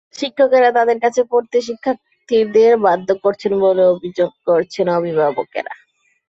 শিক্ষকেরা তাঁদের কাছে পড়তে শিক্ষার্থীদের বাধ্য করছেন বলেও অভিযোগ করেছেন অভিভাবকেরা।